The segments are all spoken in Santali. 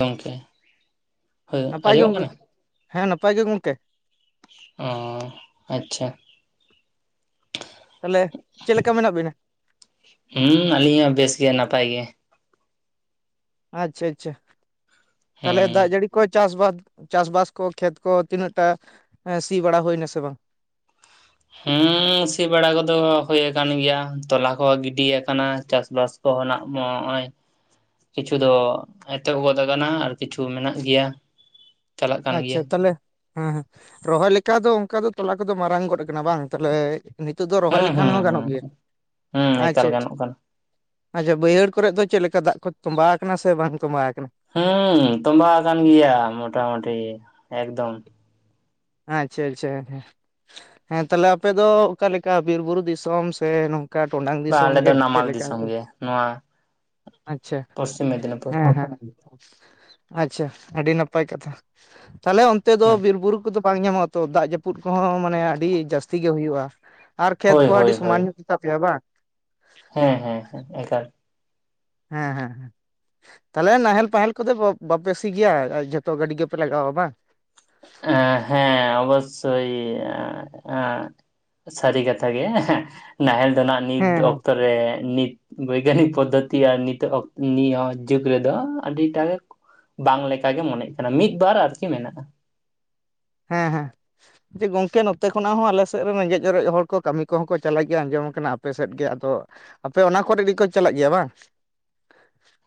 ᱜᱚᱝᱠᱮ, ᱦᱳᱭ ᱱᱟᱯᱟᱭ ᱜᱮ ᱟᱸᱡᱚᱢᱚᱜ ᱜᱚᱝᱠᱮ ᱠᱟᱱᱟ? ᱦᱮᱸ ᱱᱟᱯᱟᱭ ᱜᱮ ᱜᱚᱝᱠᱮ᱾ ᱚ ᱟᱪᱪᱷᱟ᱾ ᱛᱟᱦᱞᱮ ᱪᱮᱫ ᱞᱮᱠᱟ ᱢᱮᱱᱟᱜ ᱵᱤᱱᱟ? ᱦᱩᱸ ᱟᱹᱞᱤᱧ ᱦᱚᱸ ᱵᱮᱥ ᱜᱮ ᱱᱟᱯᱟᱭ ᱜᱮ᱾ ᱟᱪᱪᱷᱟ ᱟᱪᱪᱷᱟ, ᱛᱟᱦᱞᱮ ᱦᱩᱸ ᱫᱟᱜ ᱡᱟᱹᱲᱤ ᱠᱚ ᱪᱟᱥ ᱵᱟᱫᱽ, ᱪᱟᱥ ᱵᱟᱥ ᱠᱚ ᱠᱷᱮᱛ ᱠᱚ ᱛᱤᱱᱟᱹᱜ ᱴᱟ ᱮᱸ ᱥᱤ ᱵᱟᱲᱟ ᱦᱩᱭᱱᱟ ᱥᱮ ᱵᱟᱝ? ᱦᱩᱸ ᱥᱤ ᱵᱟᱲᱟ ᱠᱚᱫᱚ ᱦᱳᱭ ᱟᱠᱟᱱ ᱜᱮᱭᱟ, ᱛᱚᱞᱟ ᱠᱚᱦᱚᱸ ᱜᱤᱰᱤᱭᱟᱠᱟᱱᱟ ᱪᱟᱥᱵᱟᱥ ᱠᱚᱦᱚ ᱱᱟᱜ ᱢᱚᱜᱼᱚᱭ ᱠᱤᱪᱷᱩ ᱫᱚ ᱮᱛᱚᱦᱚᱵ ᱜᱚᱫ ᱟᱠᱟᱱᱟ ᱟᱨ ᱠᱤᱪᱷᱩ ᱢᱮᱱᱟᱜ ᱜᱮᱭᱟ᱾ ᱪᱟᱞᱟᱜ ᱠᱟᱱ ᱜᱮᱭᱟ ᱟᱪᱪᱷᱟ ᱛᱟᱦᱚᱞᱮ ᱦᱮᱸ ᱦᱮᱸ ᱨᱚᱦᱚᱭ ᱞᱮᱠᱟ ᱫᱚ ᱚᱱᱠᱟ ᱫᱚ ᱛᱚᱞᱟ ᱠᱚᱫᱚ ᱢᱟᱨᱟᱝ ᱜᱚᱫ ᱟᱠᱟᱱᱟ ᱵᱟᱝ ᱛᱟᱦᱚᱞᱮ? ᱱᱤᱛᱳ ᱫᱚ ᱨᱚᱦᱚᱭ ᱦᱩᱸ ᱞᱮᱠᱷᱟᱱ ᱦᱩᱸ ᱦᱚᱸ ᱦᱩᱸ ᱜᱟᱱᱚᱜ ᱜᱮᱭᱟ᱾ ᱦᱩᱸ ᱮᱠᱟᱞ ᱟᱪᱪᱷᱟ, ᱟᱪᱪᱷᱟ ᱜᱟᱱᱚᱜ ᱠᱟᱱᱟ ᱟᱪᱪᱷᱟ ᱵᱟᱹᱭᱦᱟᱹᱲ ᱠᱚᱨᱮ ᱫᱚ ᱪᱮᱫ ᱞᱮᱠᱟ ᱫᱟᱜ ᱠᱚ ᱴᱚᱸᱵᱟᱣ ᱟᱠᱟᱱᱟ ᱥᱮ ᱵᱟᱝ ᱴᱚᱸᱵᱟᱣ ᱟᱠᱟᱱᱟ? ᱦᱩᱸ ᱛᱚᱸᱵᱟ ᱟᱠᱟᱱ ᱜᱮᱭᱟ ᱢᱚᱴᱟ ᱢᱩᱴᱤ ᱮᱠᱫᱚᱢ᱾ ᱟᱪᱪᱷᱟ, ᱟᱪᱪᱷᱟ ᱦᱮᱸ ᱛᱟᱦᱚᱞᱮ ᱟᱯᱮ ᱫᱚ ᱚᱠᱟ ᱞᱮᱠᱟ ᱵᱤᱨ ᱵᱩᱨᱩ ᱫᱤᱥᱚᱢ ᱥᱮ ᱚᱱᱠᱟ ᱴᱚᱰᱟᱝ ᱵᱟ ᱫᱤᱥᱚᱢ ᱟᱞᱮ ᱫᱚ ᱜᱮ ᱪᱮᱫ ᱱᱟᱢᱟᱞ ᱞᱮᱠᱟ? ᱫᱤᱥᱚᱢ ᱜᱮ ᱱᱚᱣᱟ ᱟᱪᱪᱷᱟ, ᱯᱚᱥᱪᱤᱢ ᱢᱮᱫᱽᱱᱤᱯᱩᱨ ᱦᱮᱸ ᱦᱮᱸ᱾ ᱟᱪᱪᱷᱟ ᱟᱹᱰᱤ ᱱᱟᱯᱟᱭ ᱠᱟᱛᱷᱟ ᱛᱟᱦᱚᱞᱮ ᱚᱱᱛᱮ ᱫᱚ ᱦᱮᱸ ᱵᱤᱨ ᱵᱩᱨᱩ ᱠᱚᱫᱚ ᱵᱟᱝ ᱧᱟᱢᱚᱜᱼᱟ ᱛᱚ ᱫᱟᱜ ᱡᱟᱹᱯᱩᱫ ᱠᱚᱦᱚᱸ ᱢᱟᱱᱮ ᱟᱹᱰᱤ ᱡᱟᱹᱥᱛᱤ ᱜᱮ ᱦᱩᱭᱩᱜᱼᱟ, ᱟᱨ ᱠᱷᱮᱛ ᱦᱳᱭ ᱠᱚᱦᱚᱸ ᱦᱳᱭ ᱟᱹᱰᱤ ᱦᱳᱭ ᱥᱚᱢᱟᱱ ᱛᱟᱯᱮᱭᱟ ᱵᱟᱝ? ᱦᱮᱸ ᱦᱮᱸ ᱦᱮᱸ ᱮᱠᱟᱞ ᱦᱮᱸ ᱦᱮᱸ ᱦᱮᱸ ᱛᱟᱦᱚᱞᱮ ᱱᱟᱦᱮᱞ ᱯᱟᱦᱮᱞ ᱠᱚᱫᱚ ᱵᱟᱯᱮ ᱥᱤ ᱜᱮᱭᱟ ᱡᱷᱚᱛᱚ ᱜᱟᱹᱰᱤ ᱜᱮᱯᱮ ᱞᱟᱜᱟᱣᱟ ᱵᱟᱝ? ᱮᱸ ᱦᱮᱸ ᱚᱵᱚᱥᱳᱭ [unintelligible] ᱥᱟᱹᱨᱤ ᱠᱟᱛᱷᱟ ᱜᱮ [unintelligible] ᱱᱟᱦᱮᱞ ᱫᱚ ᱦᱟᱜ ᱱᱤᱛ ᱦᱮᱸ ᱦᱮᱸ ᱚᱠᱛᱚ ᱨᱮ ᱱᱤᱛ ᱵᱳᱭᱜᱟᱱᱤᱠ ᱯᱚᱫᱽᱫᱷᱚᱛᱤ ᱟᱨ ᱱᱤᱛᱚᱜ ᱱᱤᱭᱟᱹ ᱡᱩᱜᱽ ᱨᱮᱫᱚ ᱟᱹᱰᱤᱴᱟᱜ ᱵᱟᱝ ᱞᱮᱠᱟᱜᱮ ᱢᱚᱱᱮᱜ ᱠᱟᱱᱟ ᱢᱤᱫᱵᱟᱨ ᱟᱨᱠᱤ ᱢᱮᱱᱟᱜᱼᱟ᱾ ᱦᱮᱸ ᱦᱮᱸ ᱡᱮ ᱜᱚᱝᱠᱮ ᱱᱚᱛᱮ ᱠᱷᱚᱱᱟᱜ ᱦᱚᱸ ᱟᱞᱮ ᱥᱮᱫ ᱨᱮᱱ ᱨᱮᱸᱜᱮᱡ ᱚᱨᱮᱡ ᱦᱚᱲ ᱠᱚ ᱠᱟᱹᱢᱤ ᱠᱚᱦᱚᱸ ᱠᱚ ᱪᱟᱞᱟᱜ ᱜᱮᱭᱟ ᱟᱸᱡᱚᱢ ᱠᱟᱱᱟ ᱟᱯᱮ ᱥᱮᱫ ᱜᱮ᱾ ᱟᱫᱚ ᱟᱯᱮ ᱚᱱᱟ ᱠᱚᱨᱮ ᱜᱮᱠᱚ ᱪᱟᱞᱟᱜ ᱜᱮᱭᱟ ᱵᱟᱝ?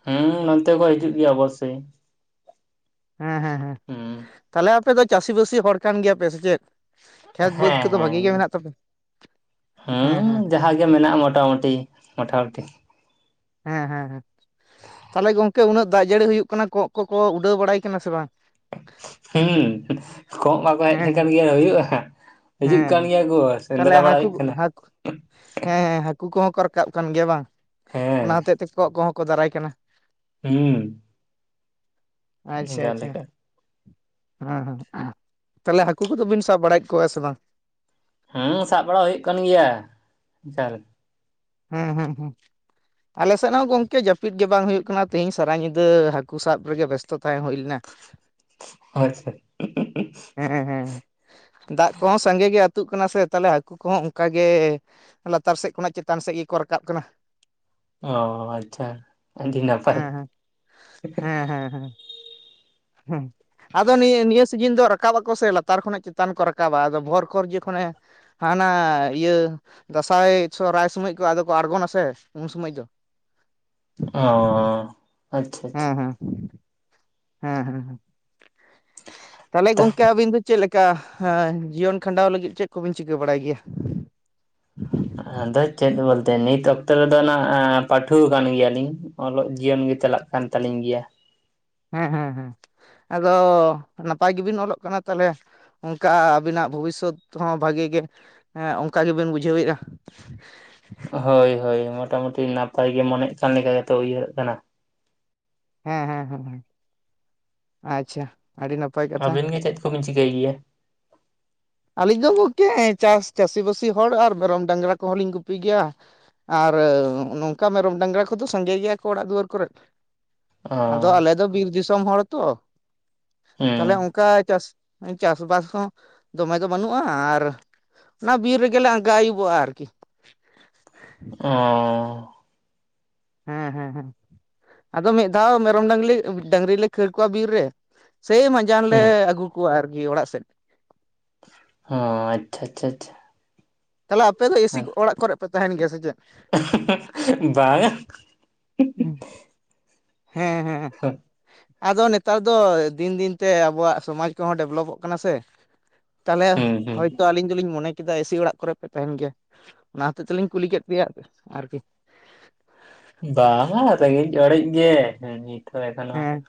ᱦᱮᱸ ᱱᱚᱱᱛᱮ ᱠᱚ ᱦᱤᱡᱩᱜ ᱜᱮᱭᱟ ᱚᱵᱚᱥᱥᱳᱭ᱾ ᱦᱮᱸ, ᱦᱮᱸ, ᱦᱮᱸ ᱦᱩᱸ ᱛᱟᱦᱚᱞᱮ ᱟᱯᱮ ᱫᱚ ᱪᱟᱹᱥᱤ ᱵᱟᱹᱥᱤ ᱦᱚᱲ ᱠᱟᱱ ᱜᱮᱭᱟ ᱯᱮ ᱥᱮ ᱪᱮᱫ? ᱠᱷᱮᱛ ᱦᱮᱸ, ᱵᱟᱹᱫᱽ ᱠᱚᱫᱚ ᱵᱷᱟᱜᱤ ᱦᱮᱸ, ᱜᱮ ᱢᱮᱱᱟᱜ ᱛᱟᱯᱮ ᱦᱮᱸ, ᱦᱩᱸ ᱡᱟᱦᱟᱸ ᱜᱮ ᱢᱮᱱᱟᱜᱼᱟ ᱢᱚᱴᱟᱢᱩᱴᱤ ᱢᱚᱴᱟᱢᱩᱴᱤ ᱦᱮᱸ ᱦᱮᱸ ᱦᱮᱸ ᱛᱟᱦᱚᱞᱮ ᱜᱚᱝᱠᱮ ᱩᱱᱟᱹᱜ ᱫᱟᱜ ᱡᱟᱹᱲᱤ ᱦᱩᱭᱩᱜ ᱠᱟᱱᱟ ᱠᱚᱸᱜ ᱠᱚᱠᱚ ᱩᱰᱟᱹᱣ ᱵᱟᱲᱟᱭ ᱠᱟᱱᱟ ᱥᱮ ᱵᱟᱝ? ᱦᱮᱸ ᱠᱚᱜ ᱵᱟᱠᱚ ᱦᱮᱡ ᱦᱮᱸ ᱦᱮᱸ ᱞᱮᱠᱷᱟᱱ ᱜᱮ ᱦᱩᱭᱩᱜᱼᱟ ᱾ ᱦᱤᱡᱩᱜ ᱦᱮᱸ ᱠᱟᱱ ᱜᱮᱭᱟ ᱠᱚ ᱛᱟᱦᱚᱞᱮ ᱥᱮᱸᱫᱽᱨᱟ ᱵᱟᱲᱟ ᱦᱟᱹᱠᱩ ᱦᱩᱭᱩᱜ ᱠᱟᱱᱟ ᱾ ᱦᱟᱹᱠᱩ ᱦᱮᱸ ᱦᱮᱸ ᱦᱟᱹᱠᱩ ᱠᱚᱦᱚᱸ ᱠᱚ ᱨᱟᱠᱟᱵ ᱠᱟᱱ ᱜᱮᱭᱟ ᱵᱟᱝ ᱚᱱᱟ ᱦᱮᱸ ᱦᱚᱛᱮᱜ ᱛᱮ ᱠᱚᱸᱜ ᱠᱚᱦᱚᱸ ᱠᱚ ᱫᱟᱨᱟᱭ ᱠᱟᱱᱟ ᱾ ᱦᱩᱸ ᱾ ᱟᱪᱪᱷᱟ ᱟᱪᱪᱷᱟ ᱞᱮᱠᱟ ᱾ ᱦᱮᱸ ᱦᱮᱸ ᱛᱟᱦᱚᱞᱮ ᱦᱟᱹᱠᱩ ᱠᱚᱫᱚ ᱵᱤᱱ ᱥᱟᱵ ᱵᱟᱲᱟᱭᱮᱫ ᱠᱚᱣᱟ ᱥᱮ ᱵᱟᱝ? ᱦᱮᱸ ᱥᱟᱵ ᱵᱟᱲᱟ ᱦᱩᱭᱩᱜ ᱠᱟᱱ ᱜᱮᱭᱟ ᱾ ᱦᱩᱸ ᱦᱩᱸ ᱦᱩᱸ ᱾ ᱟᱞᱮ ᱥᱮᱫ ᱦᱚᱸ ᱜᱚᱢᱠᱮ ᱡᱟᱹᱯᱤᱫ ᱜᱮ ᱵᱟᱝ ᱦᱩᱭᱩᱜ ᱠᱟᱱᱟ ᱛᱮᱦᱤᱧ ᱥᱟᱨᱟ ᱧᱤᱫᱟᱹ ᱦᱟᱹᱠᱩ ᱥᱟᱵ ᱨᱮᱜᱮ ᱵᱮᱥᱛᱚ ᱛᱟᱦᱮᱸ ᱦᱩᱭ ᱞᱮᱱᱟ ᱾ ᱟᱪᱪᱷᱟ ᱾ ᱦᱮᱸ ᱦᱮᱸ ᱫᱟᱜ ᱠᱚᱦᱚᱸ ᱥᱟᱸᱜᱮ ᱜᱮ ᱟᱹᱛᱩᱜ ᱠᱟᱱᱟ ᱥᱮ ᱛᱟᱦᱚᱞᱮ ᱦᱟᱹᱠᱩ ᱠᱚᱦᱚᱸ ᱚᱱᱠᱟ ᱜᱮ ᱞᱟᱛᱟᱨ ᱥᱮᱫ ᱠᱷᱚᱱᱟᱜ ᱪᱮᱛ ᱪᱮᱛᱟᱱ ᱥᱮᱫ ᱜᱮᱠᱚ ᱨᱟᱠᱟᱵ ᱠᱟᱱᱟ ᱾ ᱚ ᱟᱪᱪᱷᱟ ᱟᱹᱰᱤ ᱱᱟᱯᱟᱭ ᱦᱮᱸ ᱾ ᱦᱮᱸ ᱦᱮᱸ ᱦᱮᱸ ᱟᱫᱚ ᱱᱤᱭᱟᱹ ᱱᱤᱭᱟᱹ ᱥᱤᱡᱤᱱ ᱫᱚ ᱨᱟᱠᱟᱵ ᱟᱠᱚ ᱥᱮ ᱞᱟᱛᱟᱨ ᱠᱷᱚᱱᱟᱜ ᱪᱮᱛᱟᱱ ᱠᱚ ᱨᱟᱠᱟᱵᱟ᱾ ᱟᱫᱚ ᱵᱷᱳᱨ ᱠᱷᱚᱨ ᱡᱚᱠᱷᱚᱱᱮ ᱦᱟᱱᱟ ᱤᱭᱟᱹ ᱫᱟᱸᱥᱟᱭ ᱥᱨᱟᱭ ᱥᱚᱢᱚᱭ ᱠᱚ ᱟᱫᱚ ᱠᱚ ᱟᱬᱜᱚᱱᱟᱥᱮ ᱩᱱ ᱥᱚᱢᱚᱭ ᱫᱚ ᱾ ᱚ ᱟᱪᱪᱷᱟ ᱟᱪᱪᱷᱟ ᱾ ᱦᱮᱸ ᱦᱮᱸ ᱦᱮᱸ ᱦᱮᱸ ᱛᱟᱦᱚᱞᱮ ᱜᱚᱝᱠᱮ ᱟᱹᱵᱤᱱ ᱫᱚ ᱪᱮᱫ ᱞᱮᱠ? ᱪᱤᱠᱟ ᱦᱟᱸ ᱡᱤᱭᱚᱱ ᱠᱷᱟᱸᱰᱟᱣ ᱞᱟᱹᱜᱤᱫ ᱪᱮᱫ ᱠᱚᱵᱤᱱ ᱪᱤᱠᱟᱹ ᱵᱟᱲᱟᱭ ᱜᱮᱭᱟ? ᱟᱫᱚ ᱪᱮᱫ ᱵᱚᱞᱛᱮ ᱱᱤᱛ ᱚᱠᱛᱚ ᱨᱮᱫᱚ ᱱᱟᱜ ᱯᱟᱹᱴᱷᱩᱣ ᱠᱟᱱ ᱜᱮᱭᱟᱞᱤᱧ ᱚᱞᱚᱜ ᱡᱤᱭᱚᱱ ᱜᱮ ᱪᱟᱞᱟᱜ ᱠᱟᱱ ᱛᱟᱹᱞᱤᱧ ᱜᱮᱭᱟ ᱾ ᱦᱮᱸ ᱦᱮᱸ ᱦᱮᱸ ᱟᱫᱚ ᱱᱟᱯᱟᱭ ᱜᱮᱵᱤᱱ ᱚᱞᱚᱜ ᱠᱟᱱᱟ ᱛᱟᱦᱚᱞᱮ ᱾ ᱚᱱᱠᱟ ᱟᱹᱵᱤᱱᱟᱜ ᱵᱷᱚᱵᱤᱥᱥᱚᱛ ᱦᱚᱸ ᱵᱷᱟᱜᱮ ᱜᱮ ᱚᱱᱠᱟ ᱜᱮᱵᱤᱱ ᱵᱩᱡᱷᱟᱹᱣᱮᱫᱼᱟ? ᱦᱳᱭ ᱦᱳᱭ ᱢᱚᱴᱟᱢᱩᱴᱤ ᱱᱟᱯᱟᱭ ᱜᱮ ᱢᱚᱱᱮᱜ ᱠᱟᱱ ᱞᱮᱠᱟ ᱜᱮᱛᱚ ᱩᱭᱦᱟᱹᱨᱟᱜ ᱠᱟᱱᱟ ᱾ ᱦᱮᱸ ᱦᱮᱸ ᱦᱮᱸ ᱟᱪᱪᱷᱟ ᱾ ᱟᱹᱵᱤᱱ ᱜᱮ ᱪᱮᱫ ᱠᱚᱵᱤᱱ ᱪᱤᱠᱟᱹᱭ ᱜᱮᱭᱟ ᱾ ᱟᱹᱞᱤᱧ ᱫᱚ ᱜᱚᱢᱠᱮ ᱪᱟᱥ ᱪᱟᱹᱥᱤᱼᱵᱟᱹᱥᱤ ᱦᱚᱲ ᱟᱨ ᱢᱮᱨᱚᱢ ᱰᱟᱝᱨᱟ ᱠᱚᱦᱚᱸ ᱞᱤᱧ ᱜᱩᱯᱤ ᱜᱮᱭᱟ ᱾ ᱟᱨ ᱱᱚᱝᱠᱟ ᱢᱮᱨᱚᱢ ᱰᱟᱝᱨᱟ ᱠᱚᱫᱚ ᱥᱟᱸᱜᱮ ᱜᱮᱭᱟ ᱠᱚ ᱚᱲᱟᱜ ᱫᱩᱣᱟᱹᱨ ᱠᱚᱨᱮᱫ ᱾ ᱚ ᱟᱫᱚ ᱟᱞᱮ ᱫᱚ ᱵᱤᱨ ᱫᱤᱥᱚᱢ ᱦᱚᱲ ᱛᱚ ᱦᱩᱸ ᱛᱟᱦᱞᱮ ᱚᱱᱠᱟ ᱪᱟᱥᱼᱼ ᱪᱟᱥ ᱵᱟᱥ ᱦᱚᱸᱼᱼ ᱫᱚᱢᱮ ᱫᱚ ᱵᱟᱹᱱᱩᱜᱼᱟ ᱟᱨ ᱚᱱᱟ ᱵᱤᱨ ᱨᱮᱜᱮᱞᱮ ᱟᱸᱜᱟ ᱟᱹᱩᱵᱚᱜᱼᱟ ᱟᱨᱠᱤ ᱾ ᱚᱻ ᱦᱮᱸ ᱦᱮᱸ ᱦᱮᱸ ᱾ ᱟᱫᱚ ᱢᱤᱫ ᱫᱷᱟᱣ ᱢᱮᱨᱚᱢ ᱰᱟᱝᱨᱤ ᱰᱟᱝᱨᱤ ᱞᱮ ᱠᱷᱟᱹᱲ ᱠᱚᱣᱟ ᱵᱤᱨ ᱨᱮ ᱥᱮᱭ ᱢᱟ ᱢᱟᱡᱟᱱ ᱞᱮ ᱦᱩᱸ ᱟᱹᱜᱩ ᱠᱚᱣᱟ ᱟᱨᱠᱤ ᱚᱲᱟᱜ ᱥᱮᱫ ᱾ ᱚ ᱟᱪᱪᱷᱟ ᱟᱪᱪᱷᱟ ᱟᱪᱪᱷᱟ ᱾ ᱛᱟᱦᱚᱞᱮ ᱟᱯᱮ ᱫᱚ ᱮᱥᱤ ᱚᱲᱟᱜ ᱠᱚᱨᱮ ᱯᱮ ᱛᱟᱦᱮᱱ ᱜᱮᱭᱟ ᱥᱮ ᱪᱮᱫ? ᱵᱟᱝᱜᱟ ᱾ ᱦᱩᱸ᱾ ᱦᱮᱸ ᱦᱮᱸ ᱾ ᱟᱫᱚ ᱱᱮᱛᱟᱨ ᱫᱚ ᱫᱤᱱ ᱫᱤᱱᱛᱮ ᱟᱵᱚᱣᱟᱜ ᱥᱚᱢᱟᱡᱽ ᱠᱚᱦᱚᱸ ᱰᱮᱵᱷᱞᱚᱯᱚᱜ ᱠᱟᱱᱟ ᱥᱮ ᱾ ᱛᱟᱦᱚᱞᱮ ᱦᱩᱸ ᱦᱩᱸ ᱦᱚᱳᱭᱛᱳ ᱟᱞᱤᱧ ᱫᱚᱞᱤᱧ ᱢᱚᱱᱮᱼᱼ ᱠᱮᱫᱟ ᱮᱥᱤ ᱚᱲᱟᱜ ᱠᱚᱨᱮ ᱯᱮ ᱛᱟᱦᱮᱱ ᱜᱮᱭᱟ ᱚᱱᱟ ᱦᱚᱛᱮᱡ ᱛᱮᱞᱤᱧ ᱠᱩᱞᱤ ᱠᱮᱫ ᱯᱮᱭᱟ ᱟᱨᱠᱤᱼᱼ ᱵᱟᱝᱟ ᱨᱮᱸᱜᱮᱡ ᱲᱮᱡ ᱜᱮ ᱦᱮᱸ ᱱᱤᱛ ᱦᱚᱸ ᱮᱠᱷᱚᱱ ᱦᱮᱸ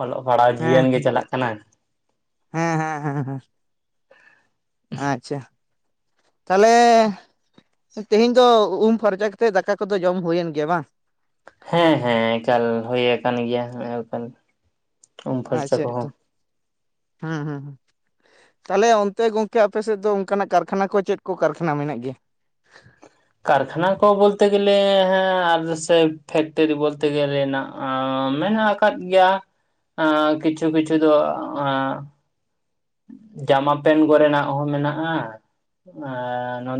ᱚᱞᱚᱜᱼᱼ ᱯᱟᱲᱦᱟᱹᱣ ᱡᱤᱭᱚᱱ ᱦᱮᱸ ᱜᱮ ᱪᱟᱞᱟᱜ ᱠᱟᱱᱟ ᱾ ᱦᱮᱸ ᱦᱮᱸ ᱦᱮᱸ ᱦᱮᱸ ᱾ ᱟᱪᱪᱷᱟ ᱾ ᱛᱟᱦᱚᱞᱮ ᱛᱮᱦᱮᱧ ᱫᱚ ᱩᱢ ᱯᱷᱟᱨᱪᱟ ᱠᱟᱛᱮᱫ ᱫᱟᱠᱟ ᱠᱚᱫᱚ ᱡᱚᱢ ᱦᱩᱭᱮᱱ ᱜᱮᱭᱟ ᱵᱟᱝ? ᱦᱮᱸ ᱦᱮᱸ ᱮᱠᱟᱞ ᱦᱩᱭ ᱟᱠᱟᱱ ᱜᱮᱭᱟ᱾ ᱩᱢ ᱯᱷᱟᱨᱪᱟ ᱟᱪᱪᱷᱟ ᱠᱚᱦᱚᱸ ᱮᱛᱩ ᱦᱮᱸ ᱦᱮᱸᱼᱼ ᱛᱟᱦᱚᱞᱮ ᱚᱱᱛᱮ ᱜᱚᱝᱠᱮ ᱟᱯᱮ ᱥᱮᱫ ᱫᱚ, ᱚᱱᱠᱟᱱᱟᱜ ᱠᱟᱨᱠᱷᱟᱱᱟ ᱠᱚ ᱪᱮᱫ ᱠᱚ, ᱠᱟᱨᱠᱷᱟᱱᱟ ᱢᱮᱱᱟᱜ ᱜᱮᱭᱟ? ᱠᱟᱨᱠᱷᱟᱱᱟ ᱠᱚ ᱵᱚᱞᱛᱮ ᱜᱮᱞᱮ ᱟᱨ ᱥᱮ ᱯᱷᱮᱠᱴᱨᱤ ᱵᱚᱞᱛᱮ ᱜᱮᱞᱮᱱᱟᱜ ᱢᱮᱱᱟᱜᱼᱟ ᱟᱠᱟᱫ ᱜᱮᱭᱟ᱾ ᱠᱤᱪᱷᱩ ᱠᱤᱪᱷᱩ ᱫᱚᱼᱼ ᱡᱟᱢᱟ ᱯᱮᱱᱴ ᱠᱚᱨᱮᱱᱟᱜ ᱦᱚᱸ ᱢᱮᱱᱟᱜᱼᱟ ᱟᱨ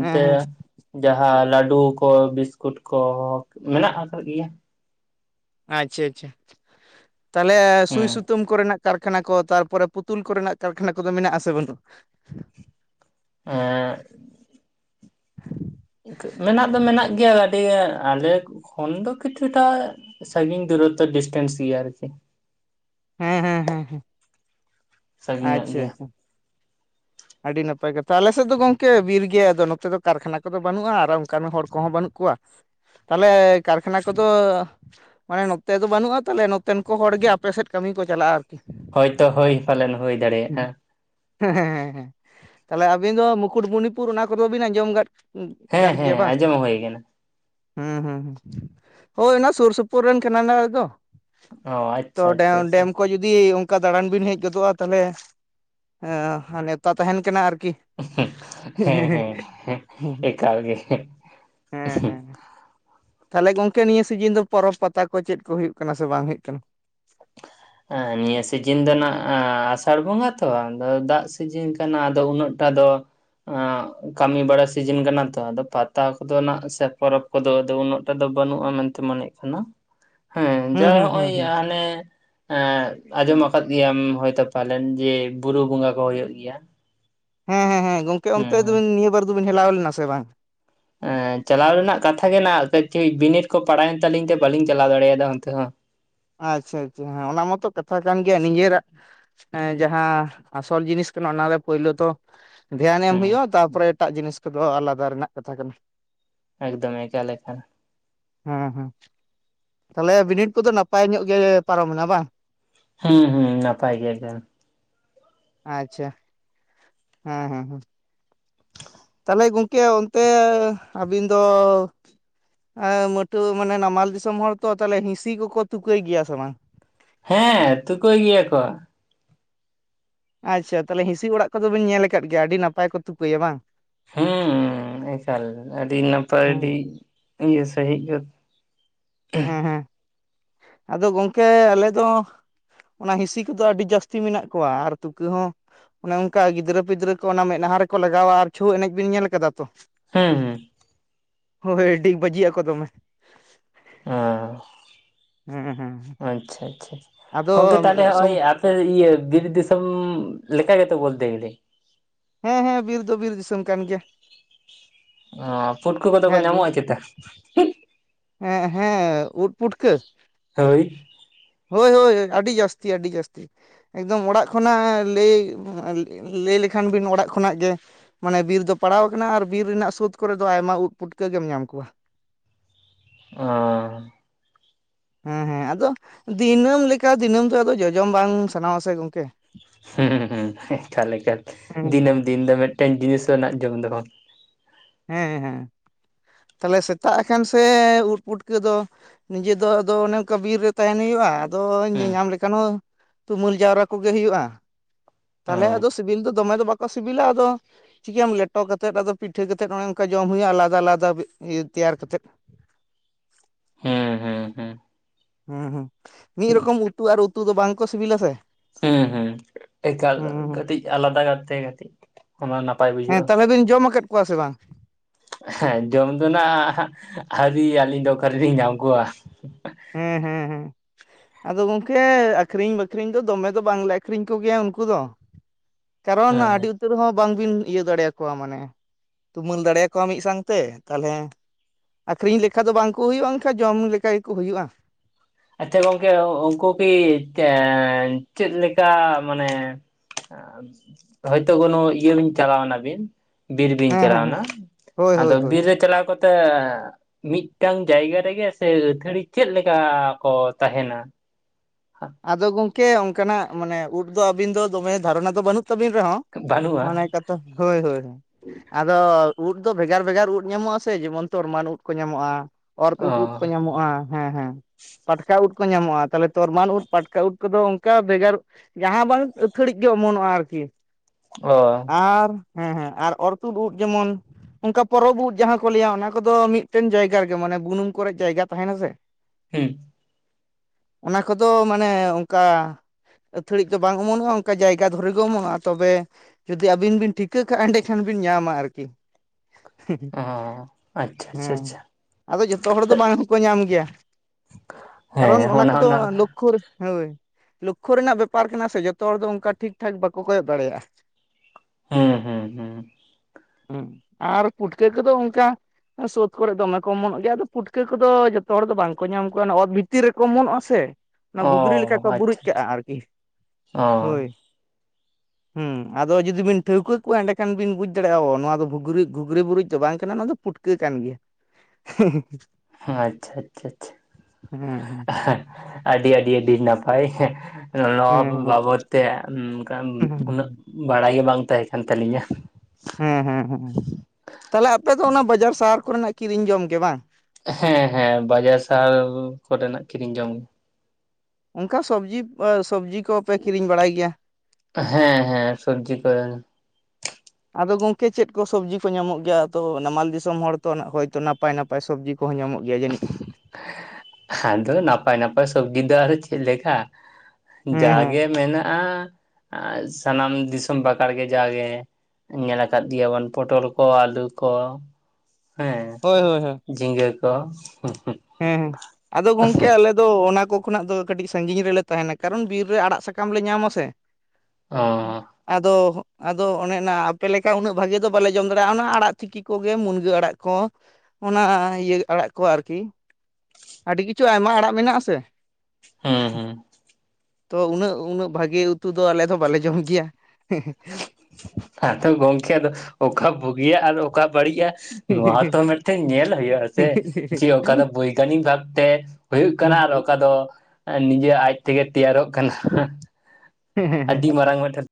ᱦᱮᱸ ᱦᱮᱸ ᱡᱟᱦᱟᱸ ᱞᱟᱹᱰᱩ ᱠᱚ ᱵᱤᱥᱠᱩᱴ ᱠᱚ ᱢᱮᱱᱟᱜ ᱟᱠᱟᱫ ᱜᱮᱭᱟ᱾ ᱟᱪᱪᱷᱟ ᱟᱪᱪᱷᱟ᱾ ᱛᱟᱦᱚᱞᱮ ᱥᱩᱭ ᱦᱮᱸ ᱥᱩᱛᱟᱹᱢ ᱠᱚᱨᱮᱱᱟᱜ ᱠᱟᱨᱠᱷᱟᱱᱟ ᱠᱚ ᱛᱟᱨᱯᱚᱨᱮ ᱯᱩᱛᱩᱞ ᱠᱚᱨᱮᱱᱟᱜ ᱠᱟᱨᱠᱷᱟᱱᱟ ᱠᱚᱫᱚ, ᱢᱮᱱᱟᱜ ᱟᱥᱮ ᱵᱟᱹᱱᱩᱜ-ᱟ? ᱮᱸᱼᱼ ᱦᱮᱸᱼᱼ ᱢᱮᱱᱟᱜ ᱫᱚ ᱢᱮᱱᱟᱜ ᱜᱮᱭᱟ, ᱟᱹᱰᱤ ᱜᱮ, ᱟᱞᱮ ᱠᱷᱚᱱ ᱫᱚ ᱠᱤᱪᱷᱩᱴᱟ ᱥᱟᱺᱜᱤᱧ ᱫᱩᱨᱚᱛᱚ ᱰᱤᱥᱴᱮᱱᱥ ᱜᱮᱭᱟ ᱟᱨᱠᱤ᱾ ᱦᱮᱸ ᱦᱮᱸ ᱦᱮᱸ ᱦᱮᱸ᱾ ᱥᱟᱹᱜᱤᱧ ᱧᱚᱜ ᱟᱪᱪᱷᱟ ᱜᱮᱭᱟ᱾ ᱟᱪᱪᱷᱟ ᱟᱹᱰᱤ ᱱᱟᱯᱟᱭ ᱠᱟᱛᱷᱟ, ᱟᱞᱮ ᱥᱮᱫ ᱫᱚ ᱜᱚᱢᱠᱮ ᱵᱤᱨ ᱜᱮ, ᱟᱫᱚ ᱱᱚᱛᱮ ᱫᱚ ᱠᱟᱨᱠᱷᱟᱱᱟ ᱠᱚᱫᱚ ᱵᱟᱹᱱᱩᱜᱼᱟ᱾ ᱟᱨ ᱚᱱᱠᱟᱱ ᱦᱚᱲ ᱠᱚᱦᱚᱸ ᱵᱟᱹᱱᱩᱜ ᱠᱚᱣᱟ᱾ ᱛᱟᱦᱚᱞᱮ ᱠᱟᱨᱠᱷᱟᱱᱟ ᱠᱚᱫᱚ ᱢᱟᱱᱮ ᱱᱚᱛᱮ ᱫᱚ ᱵᱟᱹᱱᱩᱜᱼᱟ᱾ ᱛᱟᱦᱚᱞᱮ ᱱᱚᱛᱮᱱ ᱠᱚ ᱦᱚᱲ ᱜᱮ ᱟᱯᱮᱥᱮᱫ ᱠᱟᱹᱢᱤ ᱠᱚ ᱪᱟᱞᱟᱜᱼᱟ ᱟᱨᱠᱤ᱾ ᱦᱚᱭᱛᱚ ᱦᱳᱭ ᱯᱟᱞᱮᱱ ᱦᱩᱭ ᱫᱟᱲᱮᱭᱟᱜ-ᱟ᱾ ᱦᱮᱸ ᱦᱮᱸ ᱦᱮᱸ, ᱛᱟᱦᱚᱞᱮ ᱟᱹᱵᱤᱱ ᱫᱚ ᱢᱩᱠᱩᱴᱢᱚᱱᱤᱯᱩᱨ ᱚᱱᱟ ᱠᱚᱫᱚ ᱵᱤᱱ ᱟᱸᱡᱚᱢ ᱟᱠᱟᱫ ᱦᱮᱸ ᱠᱟᱫ ᱦᱮᱸ ᱜᱮᱭᱟ ᱵᱟᱝ? ᱟᱸᱡᱚᱢ ᱦᱩᱭ ᱠᱟᱱᱟ ᱦᱩᱸ ᱦᱩ, ᱦᱳᱭ ᱚᱱᱟ ᱥᱩᱨ ᱥᱩᱯᱩᱨ ᱨᱮᱱ ᱠᱟᱱᱟᱞᱮ ᱟᱞᱮ ᱫᱚ ᱚ ᱾ ᱛᱚ ᱟᱪᱪᱷᱟ ᱰᱮ ᱟᱪᱪᱷᱟ ᱟᱪᱪᱷᱟ ᱰᱮᱢ ᱠᱚ ᱡᱩᱫ ᱡᱩᱫᱤ ᱚᱱᱠᱟ ᱫᱟᱬᱟᱱ ᱵᱤᱱ ᱦᱮᱡ ᱜᱚᱫᱚᱜ-ᱟ ᱛᱟᱦᱚᱞᱮ ᱱᱮᱣᱛᱟ ᱛᱟᱦᱮᱱ ᱠᱟᱱᱟ ᱟᱨᱠᱤ᱾ ᱦᱮᱸ ᱦᱮᱸ, ᱮᱠᱟᱞ ᱜᱮ ᱾ ᱦᱮᱸ ᱛᱟᱦᱚᱞᱮ ᱜᱚᱝᱠᱮ, ᱱᱤᱭᱟᱹ ᱥᱤᱡᱤᱱ ᱫᱚ ᱯᱚᱨᱚᱵ ᱯᱟᱛᱟ ᱠᱚ ᱪᱮᱫ ᱠᱚ ᱦᱩᱭᱩᱜ ᱠᱟᱱᱟ ᱥᱮ ᱵᱟᱝ ᱦᱩᱭᱩᱜ ᱠᱟᱱᱟ? [unintelligible] ᱱᱤᱭᱟᱹ ᱥᱤᱡᱤᱱ ᱫᱚ ᱱᱟᱦᱟᱸᱜ ᱟᱥᱟᱲ ᱵᱚᱸᱜᱟ ᱛᱚ ᱟᱫᱚ ᱫᱟᱜ ᱥᱤᱡᱤᱱ ᱠᱟᱱᱟ ᱟᱫᱚ ᱩᱱᱟᱹᱜᱴᱟ ᱫᱚ ᱠᱟᱹᱢᱤ ᱵᱟᱲᱟ ᱥᱤᱡᱤᱱ ᱠᱟᱱᱟ ᱛᱚ, ᱟᱫᱚ ᱯᱟᱛᱟ ᱠᱚᱫᱚ ᱱᱟᱜ ᱥᱮ ᱯᱚᱨᱚᱵ ᱠᱚᱫᱚ ᱩᱱᱟᱹᱜ ᱴᱟ ᱫᱚ ᱵᱟᱹᱱᱩᱜ-ᱟ ᱢᱮᱱᱛᱮ ᱢᱚᱱᱮᱜ ᱠᱟᱱᱟ᱾ ᱦᱮᱸ ᱦᱩᱸ ᱡᱟᱭ ᱦᱩᱸ ᱦᱩᱸ ᱦᱚᱜ-ᱚᱭ ᱦᱩᱸ ᱦᱟᱱᱮ ᱟᱸᱡᱚᱢ ᱟᱠᱟᱫ ᱜᱮᱭᱟᱢ ᱦᱳᱭᱛᱚ ᱯᱟᱞᱮᱱ ᱡᱮ ᱵᱩᱨᱩ ᱵᱚᱸᱜᱟ ᱠᱚ ᱦᱩᱭᱩᱜ ᱜᱮᱭᱟ᱾ ᱦᱮᱸ ᱦᱮᱸ ᱦᱮᱸ ᱜᱚᱝᱠᱮ ᱚᱱᱛᱮ ᱫᱚᱵᱤᱱ ᱱᱤᱭᱟᱹ ᱵᱟᱨ ᱫᱚᱵᱤᱱ ᱦᱮᱞᱟᱣ ᱞᱮᱱᱟ ᱥᱮ ᱵᱟᱝ? ᱪᱟᱞᱟᱣ ᱨᱮᱱᱟᱜ ᱠᱟᱛᱷᱟ ᱜᱮ ᱱᱟᱜ, ᱠᱟᱹᱴᱤᱡ ᱵᱤᱱᱤᱰ ᱠᱚ ᱯᱟᱲᱟᱭᱮᱱ ᱛᱟᱹᱟᱞᱤᱧ ᱛᱮ ᱵᱟᱹᱞᱤᱧ ᱪᱟᱞᱟᱣ ᱫᱟᱲᱮᱭᱟᱫᱟ ᱚᱱᱛᱮ ᱦᱚᱸ᱾ ᱟᱪᱪᱷᱟ ᱟᱪᱪᱷᱟ, ᱦᱮᱸ ᱚᱱᱟ ᱢᱟᱚᱛᱚ ᱠᱟᱛᱷᱟ ᱠᱟᱱ ᱜᱮᱭᱟ ᱱᱤᱡᱮᱨᱟᱜ ᱮᱸ ᱡᱟᱦᱟᱸ ᱟᱥᱚᱞ ᱡᱤᱱᱤᱥ ᱠᱟᱱᱟ, ᱚᱱᱟᱨᱮ ᱯᱳᱭᱞᱳ ᱛᱚ ᱫᱷᱮᱭᱟᱱ ᱮᱢ ᱦᱩᱸ ᱦᱩᱭᱩᱜ-ᱟ᱾ ᱛᱟᱨᱯᱚᱨᱮ ᱮᱴᱟᱜ ᱡᱤᱱᱤᱥ ᱠᱚᱫᱚ ᱟᱞᱟᱫᱟ ᱨᱮᱱᱟᱜ ᱠᱟᱛᱷᱟ ᱠᱟᱱᱟ᱾ ᱮᱠᱫᱚᱢ ᱮᱠᱟᱞ ᱮᱠᱟᱞ ᱾ ᱦᱮᱸ ᱦᱮᱸ, ᱛᱟᱦᱚᱞᱮ ᱵᱤᱱᱤᱰ ᱠᱚᱫᱚ ᱱᱟᱯᱟᱭ ᱧᱚᱜ ᱜᱮ ᱯᱟᱨᱚᱢᱮᱱᱟ ᱵᱟᱝ? ᱦᱩᱸ ᱦᱩᱸ, ᱱᱟᱯᱟᱭ ᱜᱮ ᱮᱠᱫᱚᱢ ᱾ ᱟᱪᱪᱷᱟ ᱾ ᱦᱮᱸ ᱦᱮᱸ ᱦᱮᱸ᱾ ᱛᱟᱦᱚᱞᱮ ᱜᱚᱝᱠᱮ ᱚᱱᱛᱮ ᱟᱹᱵᱤᱱ ᱫᱚ ᱮᱸ ᱢᱟᱹᱴᱩᱣᱟᱹ ᱢᱟᱱᱮ ᱱᱟᱢᱟᱞ ᱫᱤᱥᱚᱢ ᱦᱚᱲ ᱛᱚ ᱛᱟᱦᱚᱞᱮ ᱦᱤᱸᱥᱤ ᱠᱚᱠᱚ ᱛᱩᱠᱟᱹᱭ ᱜᱮᱭᱟ ᱥᱮ ᱵᱟᱝ? ᱦᱮᱸ ᱛᱩᱠᱟᱹᱭ ᱜᱮᱭᱟ ᱠᱚ ᱾ ᱟᱪᱪᱷᱟ, ᱛᱟᱦᱚᱞᱮ ᱦᱤᱸᱥᱤ ᱚᱲᱟᱜ ᱠᱚᱫᱚ ᱵᱮᱱ ᱧᱮᱞ ᱟᱠᱟᱫ ᱜᱮᱭᱟ ᱟᱹᱰᱤ ᱱᱟᱯᱟᱭ ᱠᱚ ᱛᱩᱠᱟᱹᱭᱟ ᱵᱟᱝ? ᱦᱮᱸ ᱮᱠᱟᱞ ᱟᱹᱰᱤ ᱱᱟᱯᱟᱭ ᱦᱮᱸ ᱟᱹᱰᱤ ᱤᱭᱟᱹ ᱥᱟᱹᱦᱤᱡ ᱜᱮ ᱦᱮᱸ ᱦᱮᱸ, ᱟᱫᱚ ᱜᱚᱝᱠᱮ ᱟᱞᱮ ᱫᱚ ᱚᱱᱟ ᱦᱤᱸᱤᱥᱤ ᱠᱚᱫᱚ ᱟᱹᱰᱤ ᱡᱟᱹᱥᱛᱤ ᱢᱮᱱᱟᱜ ᱠᱚᱣᱟ, ᱟᱨ ᱛᱩᱠᱟᱹ ᱦᱚᱸ ᱚᱱᱮ ᱚᱱᱠᱟ ᱜᱤᱫᱽᱨᱟᱹ ᱯᱤᱫᱽᱨᱟᱹ ᱠᱚ ᱚᱱᱟ ᱢᱮᱫᱦᱟ ᱨᱮᱠᱚ ᱞᱟᱜᱟᱣᱟ᱾ ᱟᱨ ᱪᱷᱳ ᱮᱱᱮᱡ ᱵᱮᱱ ᱧᱮᱞ ᱟᱠᱟᱫᱟ ᱛᱚ? ᱦᱩᱸ ᱦᱩᱸ ᱦᱳᱭ ᱰᱤᱠ ᱵᱟᱹᱡᱤᱜ ᱟᱠᱚ ᱫᱚᱢᱮ ᱾ ᱚ ᱦᱮᱸ ᱦᱮᱸ ᱟᱪᱪᱷᱟ ᱟᱪᱪᱷᱟ ᱟᱫᱚ ᱜᱚᱢᱠᱮ ᱛᱟᱦᱚᱞᱮ ᱱᱚᱜ-ᱚᱭ ᱥᱚᱢ ᱟᱯᱮ ᱤᱭᱟᱹ ᱵᱤᱨ ᱫᱤᱥᱚᱢ ᱞᱮᱠᱟ ᱜᱮᱛᱚ ᱵᱚᱞᱛᱮ ᱜᱮᱞᱮ ᱦᱮᱸ ᱦᱮᱸ ᱵᱤᱨ ᱫᱚ ᱵᱤᱨ ᱫᱤᱥᱚᱢ ᱠᱟᱱ ᱜᱮᱭᱟ ᱾ ᱚᱻ ᱯᱷᱩᱴᱠᱟᱹ ᱠᱚᱫᱚ ᱠᱚ ᱦᱮᱸ ᱫᱩ ᱧᱟᱢᱚᱜ-ᱟ ᱪᱮᱛᱟ? ᱦᱮᱸ ᱦᱮᱸ ᱩᱫ ᱯᱩᱴᱠᱟᱹ ᱾ ᱦᱳᱭ ᱾ ᱦᱳᱭ ᱦᱳᱭ ᱟᱹᱰᱤ ᱡᱟᱹᱥᱛᱤ ᱟᱹᱰᱤ ᱡᱟᱹᱥᱛᱤ ᱾ ᱮᱠᱫᱚᱢ ᱚᱲᱟᱜ ᱠᱷᱚᱱᱟᱜ ᱞᱟᱹᱭ, ᱞᱟᱹᱭ ᱞᱮᱠᱷᱟᱱ ᱵᱤᱱ ᱚᱲᱟᱜ ᱠᱷᱚᱱᱟᱜ ᱜᱮ ᱢᱟᱱᱮ ᱵᱤᱨ ᱫᱚ ᱯᱟᱲᱟᱣ ᱟᱠᱟᱱᱟ ᱟᱨ ᱵᱤᱨ ᱨᱮᱱᱟᱜ ᱥᱩᱫᱽ ᱠᱚᱨᱮ ᱫᱚ ᱟᱭᱢᱟ ᱩᱫ ᱯᱩᱴᱠᱟᱹ ᱜᱮᱢ ᱧᱟᱢ ᱠᱚᱣᱟ ᱾ ᱚᱻ ᱦᱮᱸ ᱦᱮᱸ ᱟᱫᱚ ᱫᱤᱱᱟᱹᱢ ᱞᱮᱠᱟ ᱫᱤᱱᱟᱹᱢ ᱟᱫᱚ ᱡᱚᱡᱚᱢ ᱵᱟᱝ ᱥᱟᱱᱟᱣ ᱟᱥᱮ ᱜᱚᱢᱠᱮ ᱾ ᱦᱮᱸ ᱦᱩᱸ ᱮᱠᱟᱞ ᱮᱠᱟᱞ [inaudible] ᱦᱮᱸ ᱫᱤᱱᱟᱹᱢ ᱫᱤᱱ ᱫᱚ ᱢᱤᱫᱴᱮᱱ ᱡᱤᱱᱤᱥ ᱨᱮᱱᱟᱜ ᱡᱚᱢ ᱫᱚᱦᱚ ᱦᱮᱸ ᱦᱮᱸ ᱾ [inaudible] ᱛᱟᱦᱚᱞᱮ ᱥᱮᱛᱟᱜ ᱟᱠᱟᱱ ᱥᱮ ᱩᱫ ᱯᱩᱴᱠᱟᱹ ᱫᱚ ᱱᱤᱡᱮ ᱫᱚ ᱟᱫᱚ ᱚᱱᱮ ᱚᱱᱠᱟ ᱵᱤᱨ ᱨᱮ ᱛᱟᱦᱮᱱ ᱦᱩᱭᱩᱜ-ᱟ ᱟᱫᱚ ᱦᱩᱸ ᱧᱮᱧᱟᱢ ᱞᱮᱠᱷᱟᱱ ᱦᱚ ᱛᱩᱢᱟᱹᱞ ᱡᱟᱣᱨᱟ ᱠᱚᱜᱮ ᱦᱩᱭᱩᱜ-ᱟ ᱾ ᱛᱟᱦᱚᱞᱮ ᱦᱩᱸ ᱟᱫᱚ ᱥᱤᱵᱤᱞ ᱫᱚ ᱫᱚᱢᱮ ᱫᱚ ᱵᱟᱠᱚ ᱥᱤᱵᱤᱞᱟ ᱾ ᱟᱫᱚ ᱪᱤᱠᱟᱹᱭᱟᱢ ᱞᱮᱴᱚ ᱠᱟᱛᱮᱫ ᱟᱫᱚ ᱯᱤᱴᱷᱟᱹ ᱠᱟᱛᱮᱫ ᱚᱱᱮ ᱚᱱᱠᱟ ᱡᱚᱢ ᱦᱩᱭᱩᱜ-ᱟ, ᱟᱞᱟᱫᱟ ᱟᱞᱟᱫᱟ ᱤᱭᱟᱹ ᱛᱮᱭᱟᱨ ᱠᱟᱛᱮᱫ᱾ ᱦᱩᱸ ᱦᱩᱸ ᱦᱩᱸ ᱦᱩᱸ ᱦᱩᱸ, ᱢᱤᱫ ᱨᱚᱠᱚᱢ ᱩᱛᱩ ᱟᱨ ᱩᱛᱩ ᱫᱚ ᱵᱟᱝ ᱠᱚ ᱥᱤᱵᱤᱞᱟ ᱥᱮ ᱾ ᱦᱩᱸ ᱦᱩᱸ ᱮᱠᱟᱞ ᱠᱟᱹᱴᱤᱡ ᱟᱞᱟᱫᱟ ᱠᱟᱛᱮ ᱠᱟᱹᱴᱤᱡ ᱚᱱᱟ ᱱᱟᱯᱟᱭ ᱵᱩᱡᱷᱟᱹᱜ-ᱟ ᱾ [unintelligible] ᱠᱮᱫ ᱠᱚᱣᱟ ᱥᱮ ᱵᱟᱝ? ᱦᱮᱸ ᱡᱚᱢ ᱫᱚ ᱱᱟᱜ ᱟᱣᱨᱤ ᱟᱹᱞᱤᱧ ᱫᱚ ᱚᱠᱟ ᱨᱮᱞᱤᱧ ᱧᱟᱢ ᱠᱚᱣᱟ ᱾ ᱦᱮᱸ ᱦᱮᱸ ᱦᱮᱸ ᱾ ᱟᱫᱚ ᱜᱚᱝᱠᱮ ᱟᱹᱠᱷᱨᱤᱧ ᱵᱟᱠᱷᱨᱤᱧ ᱫᱚ ᱫᱚᱢᱮ ᱫᱚ ᱵᱟᱝᱞᱮ ᱟᱠᱷᱨᱤᱧ ᱠᱚᱜᱮᱭᱟ ᱩᱱᱠᱩ ᱫᱚ ᱾ ᱠᱟᱨᱚᱱ ᱟᱹᱰᱤ ᱦᱮᱸ ᱩ ᱛᱟᱹᱨ ᱦᱚᱸ ᱵᱟᱝᱵᱤᱱ ᱤᱭᱟᱹ ᱫᱟᱲᱮᱭᱟᱠᱚᱣᱟ ᱢᱟᱱᱮ ᱛᱩᱢᱟᱹᱞ ᱫᱟᱲᱮᱭᱟᱠᱚᱣᱟ ᱢᱤᱫ ᱥᱟᱝᱛᱮ, ᱛᱟᱦᱚᱞᱮ ᱟᱹᱠᱷᱨᱤᱧ ᱞᱮᱠᱷᱟ ᱫᱚ ᱵᱟᱝᱠᱚ ᱦᱩᱭᱩᱜ-ᱟ ᱮᱱᱠᱷᱟᱱ ᱡᱚᱢ ᱞᱮᱠᱟ ᱜᱮᱠᱚ ᱦᱩᱭᱩᱜ-ᱟ ᱾ ᱟᱪᱪᱷᱟ ᱜᱚᱢᱠᱮ ᱩᱱᱠᱩ ᱠᱤ ᱮ ᱪᱮᱫ ᱞᱮᱠᱟ ᱢᱟᱱᱮ [inaudible] ᱦᱚᱭᱛᱳ ᱠᱳᱱᱳ ᱤᱭᱟᱹ ᱪᱟᱞᱟᱣ ᱮᱱᱟᱵᱤᱱ ᱵᱤᱨ ᱵᱤᱱ ᱦᱮᱸ ᱦᱮᱸ ᱪᱟᱞᱟᱣ ᱦᱮᱸ ᱮᱱᱟ ᱦᱳᱭ [inaudible] ᱟᱫᱚ ᱦᱳᱭ ᱦᱳᱭ ᱵᱤᱨ ᱨᱮ ᱪᱟᱞᱟᱣ ᱠᱟ ᱛᱮ ᱢᱤᱫᱴᱟᱝ ᱡᱟᱭᱜᱟ ᱨᱮᱜᱮ ᱥᱮ ᱟᱹᱛᱷᱟᱹᱲᱤ ᱪᱮᱫ ᱞᱮᱠᱟᱻ ᱠᱚ ᱛᱟᱦᱮᱱᱟ? ᱟᱫᱚ ᱜᱚᱢᱠᱮ ᱚᱱᱠᱟᱱᱟᱜ ᱢᱟᱱᱮ ᱩᱫ ᱫᱚ ᱟᱵᱤᱱ ᱫᱚ ᱫᱚᱢᱮ ᱫᱷᱟᱨᱚᱱᱟ ᱫᱚ ᱵᱟᱹᱱᱩᱜ ᱛᱟᱵᱤᱱ ᱨᱮᱦᱚᱸ ᱵᱟᱹᱱᱩᱜᱼᱟ ᱢᱟᱱᱮ ᱠᱟᱛᱷᱟ ᱦᱳᱭ ᱦᱳᱭ ᱾ ᱟᱫᱚ ᱩᱫ ᱫᱚ ᱵᱷᱮᱜᱟᱨ ᱵᱷᱮᱜᱟᱨ ᱩᱫ ᱧᱟᱢᱚᱜ-ᱟ ᱥᱮ ᱡᱮᱢᱚᱱ ᱛᱚᱨᱢᱟᱱ ᱩᱫ ᱠᱚ ᱧᱟᱢᱚᱜ-ᱟ, ᱚ ᱚᱨᱛᱩᱫ ᱩᱫ ᱠᱚ ᱧᱟᱢᱚᱜ-ᱟ, ᱦᱮᱸ ᱦᱮᱸ ᱾ ᱯᱟᱴᱠᱟ ᱩᱫ ᱠᱚ ᱧᱟᱢᱚᱜ-ᱟ, ᱛᱟᱦᱞᱮ ᱛᱚᱨᱢᱟᱞ ᱩᱫ ᱯᱟᱴᱠᱟ ᱩᱫ ᱠᱚᱫᱚ ᱚᱱᱠᱟ ᱵᱷᱮᱜᱟᱨ ᱡᱟᱦᱟᱸ ᱵᱟᱝ ᱟᱹᱛᱷᱟᱹᱲᱤᱡ ᱜᱮ ᱚᱢᱚᱱᱚᱜ-ᱟ ᱟᱨᱠᱤ ᱾ ᱚ ᱾ ᱟᱨᱻ ᱦᱮᱸ ᱦᱮᱸ ᱟᱨ ᱚᱨᱛᱩᱫ ᱩᱫ ᱡᱮᱢᱚᱱ ᱚᱱᱠᱟ ᱯᱚᱨᱚᱵᱽ ᱩᱫ ᱡᱟᱦᱟᱸ ᱠᱚ ᱞᱟᱹᱭᱟ ᱚᱱᱟ ᱯᱚᱨᱚᱵ ᱩᱫ ᱡᱟᱦᱟ ᱠᱚ ᱞᱟᱹᱭᱟ ᱚᱱᱟ ᱠᱚᱫᱚ ᱢᱤᱫᱴᱮᱱ ᱡᱟᱭᱜᱟ ᱨᱮᱜᱮ ᱢᱟᱱᱮ ᱵᱩᱱᱩᱢ ᱠᱚᱨᱮᱜ ᱡᱟᱭᱜᱟ ᱛᱟᱦᱮᱱᱟ ᱥᱮ ᱾ [inaudible] ᱦᱩᱸ ᱾ [inaudible] ᱚᱱᱟ ᱠᱚᱫᱚ ᱢᱟᱱᱮ ᱚᱱᱠᱟ ᱟᱹᱛᱷᱟᱹᱲᱤ ᱫᱚ ᱵᱟᱝ ᱚᱢᱚᱱᱚᱜ-ᱟ ᱚᱱᱠᱟ ᱡᱟᱭᱜᱟ ᱫᱷᱚᱨᱮ ᱜᱮ ᱚᱢᱚᱱᱚᱜ-ᱟ, ᱛᱚᱵᱮ ᱡᱩᱫᱤ ᱟᱹᱵᱤᱱ ᱵᱤᱱ ᱴᱷᱤᱠᱟᱹ ᱠᱟᱜ-ᱟ ᱮᱸᱰᱮᱠᱷᱟᱱ ᱵᱤᱱ ᱧᱟᱢᱟ ᱟᱨᱠᱤ ᱾ ᱚ ᱟᱪᱪᱷᱟ [inaudible] ᱟᱪᱪᱷᱟ ᱦᱮᱸ ᱟᱪᱪᱷᱟ ᱾ ᱟᱫᱚ ᱡᱷᱚᱛᱚ ᱦᱚᱲ ᱫᱚ ᱵᱟᱝ ᱦᱚ ᱠᱚ ᱧᱟᱢ ᱜᱮᱭᱟ [inaudible] ᱠᱟᱨᱚᱱ ᱚᱱᱟ ᱠᱚᱫᱚ ᱞᱳ ᱠᱷᱳ ᱨᱮ ᱦᱳᱭ ᱾ ᱞᱳᱠᱠᱷᱚ ᱨᱮᱱᱟᱜ ᱵᱮᱯᱟᱨ ᱠᱟᱱᱟ ᱥᱮ ᱡᱷᱚᱛᱚ ᱦᱚᱲ ᱫᱚ ᱚᱱᱠᱟ ᱴᱷᱤᱠ ᱴᱷᱟᱠ ᱵᱟᱠᱚ ᱠᱚᱭᱚᱜ ᱫᱟᱲᱮᱭᱟᱜ-ᱟ ᱾ ᱦᱮᱸ ᱦᱮᱸ ᱦᱮᱸ ᱾ ᱦᱮᱸ ᱟᱨ ᱯᱩᱴᱠᱟᱹ ᱠᱚᱫᱚ ᱚᱱᱠᱟ ᱟᱨ ᱥᱳᱫ ᱠᱚᱨᱮ ᱫᱚᱢᱮ ᱠᱚ ᱚᱢᱚᱱᱚᱜ ᱜᱮᱭᱟ ᱾ ᱟᱫᱚ ᱯᱩᱴᱠᱟᱹ ᱠᱚᱫᱚ ᱡᱚᱛᱚ ᱦᱚᱲ ᱫᱚ ᱵᱟᱝᱠᱚ ᱧᱟᱢ ᱠᱚᱣᱟ ᱚᱱᱟ ᱚᱛ ᱵᱷᱤᱛᱤᱨ ᱨᱮᱠᱚ ᱚᱢᱚᱱᱚᱜ-ᱟ ᱥᱮ᱾ ᱚᱱᱟ ᱚ ᱜᱷᱩᱜᱽᱨᱤ ᱞᱮᱠᱟ ᱠᱚ ᱵᱩᱨᱩᱡ ᱟᱪᱪᱷᱟ ᱠᱟᱜᱼᱟ ᱟᱪᱪᱷᱟ ᱟᱨᱠᱤ ᱾ [inaudible] ᱚ᱾ ᱦᱳᱭ [inaudible] ᱦᱩᱸ ᱟᱫᱚ ᱡᱩᱫᱤ ᱵᱤᱱ ᱴᱷᱟᱹᱣᱠᱟᱹ ᱠᱚᱣᱟ ᱮᱸᱰᱮᱠᱷᱟᱱ ᱵᱤᱱ ᱵᱩᱡ ᱫᱟᱲᱮᱭᱟᱜ-ᱟ ᱚ ᱱᱚᱣᱟ ᱫᱚ ᱜᱷᱩᱜᱽᱨᱤ ᱜᱷᱩᱜᱽᱨᱤ ᱵᱩᱨᱩᱡ ᱫᱚ ᱵᱟᱝ ᱠᱟᱱᱟ ᱱᱚᱣᱟ ᱫᱚ ᱯᱩᱴ ᱠᱟᱹ ᱠᱟᱱ ᱜᱮᱭᱟ᱾ [inaudible] ᱟᱪᱪᱷᱟ ᱟᱪᱪᱷᱟ ᱟᱪᱪᱷᱟ ᱦᱮᱸ ᱦᱮᱸ ᱾ [inaudible] ᱟᱹᱰᱤ ᱟᱹᱰᱤ ᱟᱹᱰᱤ ᱱᱟᱯᱟᱭ᱾ ᱱᱚᱣᱟ ᱵᱟᱵᱚᱛ ᱛᱮ ᱚᱱᱠᱟ ᱦᱮᱸ ᱩᱱᱟᱹᱜ ᱵᱟᱲᱟᱭ ᱜᱮ ᱵᱟᱝ ᱛᱟᱦᱮᱸ ᱠᱟᱱ ᱛᱟᱹᱞᱤᱧᱟ᱾ ᱦᱮᱸ ᱦᱮᱸ ᱦᱮᱸ ᱾ [inaudible] ᱛᱟᱦᱞᱮ ᱟᱯᱮ ᱫᱚ ᱚᱱᱟ ᱵᱟᱡᱟᱨ ᱥᱟᱦᱟᱨ ᱠᱚᱨᱮᱱᱟᱜ ᱠᱤᱨᱤᱧ ᱡᱚᱢ ᱜᱮ ᱵᱟᱝ? ᱦᱮᱸ ᱦᱮᱸ, ᱵᱟᱡᱟᱨ ᱥᱟᱦᱟᱨ ᱠᱚᱨᱮᱱᱟᱜ ᱠᱤᱨᱤᱧ ᱡᱚᱢ ᱜᱮ᱾ ᱚᱱᱠᱟ ᱥᱚᱵᱽᱡᱤ ᱟ ᱥᱚᱵᱽᱡᱤ ᱠᱚ ᱯᱮ ᱠᱤᱨᱤᱧ ᱵᱟᱲᱟᱭ ᱜᱮᱭᱟ? ᱦᱮᱸ ᱦᱮᱸ ᱥᱚᱵᱡᱤ ᱠᱚ [inaudible] ᱟᱫᱚ ᱜᱚᱝᱠᱮ ᱪᱮᱫ ᱠᱚ ᱥᱚᱵᱽᱡᱤ ᱠᱚ ᱧᱟᱢᱚᱜ ᱜᱮᱭᱟ ᱛᱚ ᱱᱟᱢᱟᱞ ᱫᱤᱥᱚᱢ ᱦᱚᱲ ᱛᱚ ᱱᱟᱜ ᱦᱳᱭᱛᱚ ᱱᱟᱯᱟᱭ ᱱᱟᱯᱟᱭ ᱥᱚᱵᱽᱡᱤ ᱠᱚᱦᱚᱸ ᱧᱟᱢᱚᱜ ᱜᱮᱭᱟ ᱡᱟᱹᱱᱤᱡ᱾ ᱟᱫᱚ ᱱᱟᱯᱟᱭ ᱱᱟᱯᱟᱭ ᱥᱚᱵᱽᱡᱤ ᱫᱚ ᱟᱫᱚ ᱪᱮᱫ ᱞᱮᱠᱟ᱾ ᱦᱮᱸ ᱦᱮᱸ ᱡᱟᱣᱜᱮ ᱢᱮᱱᱟᱜ-ᱟ ᱟ ᱥᱟᱱᱟᱢ ᱫᱤᱥᱚᱢ ᱵᱟᱠᱟᱲ ᱜᱮ ᱡᱟᱜᱮ ᱧᱮᱞ ᱟᱠᱟᱫ ᱜᱮᱭᱟᱵᱚᱱ ᱯᱚᱴᱚᱞ ᱠᱚ ᱟᱹᱞᱩ ᱠᱚ᱾ ᱦᱮᱸ ᱦᱳᱭ ᱦᱳᱭ ᱦᱳᱭ ᱡᱷᱤᱸᱜᱟᱹ ᱠᱚ᱾ ᱦᱮᱸ ᱦᱮᱸ᱾ ᱟᱫᱚ ᱜᱚᱝᱠᱮ ᱟᱞᱮ ᱫᱚ ᱚᱱᱟ ᱠᱚ ᱠᱷᱚᱱᱟᱜ ᱫᱚ ᱠᱟᱹᱴᱤᱡ ᱥᱟᱺᱜᱤᱧ ᱨᱮᱞᱮ ᱛᱟᱦᱮᱱᱟ᱾ ᱠᱟᱨᱚᱱ ᱵᱤᱨ ᱨᱮ ᱟᱲᱟᱜ ᱥᱟᱠᱟᱢ ᱞᱮ ᱧᱟᱢᱟ ᱥᱮ᱾ ᱚ ᱟᱫᱚ ᱟᱫᱚ ᱚᱱᱮ ᱚᱱᱟ ᱟᱯᱮ ᱞᱮᱠᱟ ᱩᱱᱟᱹᱜ ᱵᱷᱟᱜᱮ ᱫᱚ ᱵᱟᱞᱮ ᱡᱚᱢ ᱫᱟᱲᱮᱜ-ᱟ ᱚᱱᱟ ᱟᱲᱟᱜ ᱛᱤᱠᱤ ᱠᱚᱜᱮ᱾ ᱢᱩᱱᱜᱟᱹ ᱟᱲᱟᱜ ᱠᱚ, ᱚᱱᱟ ᱤᱭᱟᱹ ᱟᱲᱟᱜ ᱠᱚ ᱟᱨᱠᱤ᱾ ᱟᱹᱰᱤ ᱠᱤᱪᱷᱩ ᱟᱭᱢᱟ ᱟᱲᱟᱜ ᱢᱮᱱᱟᱜ-ᱟ ᱥᱮ᱾ ᱦᱮᱸ ᱦᱮᱸ᱾ ᱛᱚ ᱩᱱᱟᱹᱜ ᱩᱱᱟᱹᱜ ᱵᱷᱟᱜᱮ ᱩᱛᱩ ᱫᱚ ᱟᱞᱮ ᱫᱚ ᱵᱟᱞᱮ ᱡᱚᱢ ᱜᱮᱭᱟ᱾ ᱟᱫᱚ ᱜᱚᱢᱠᱮ ᱟᱫᱚ ᱚᱠᱟ ᱵᱩᱜᱤᱭᱟ ᱟᱨ ᱚᱠᱟ ᱵᱟᱹᱲᱤᱡ-ᱟ᱾ ᱱᱚᱣᱟ ᱦᱚᱛᱚ ᱢᱤᱫᱴᱷᱮᱱ ᱧᱮᱞ ᱦᱩᱭᱩᱜ-ᱟ ᱥᱮ᱾ ᱡᱮ ᱚᱠᱟ ᱫᱚ ᱵᱳᱭᱜᱟᱱᱤᱠ ᱵᱷᱟᱵ ᱛᱮ ᱦᱩᱭᱩᱜ ᱠᱟᱱᱟ ᱦᱮᱸ ᱟᱨ ᱚᱠᱟ ᱫᱚ ᱮᱸ ᱱᱤᱡᱮ ᱟᱡ ᱛᱮᱜᱮ ᱛᱮᱭᱟᱨᱚᱜ ᱠᱟᱱᱟ᱾ ᱦᱮᱸ ᱦᱮᱸ ᱟᱹᱰᱤ ᱢᱟᱨᱟᱝ ᱢᱤᱫᱴᱮᱱ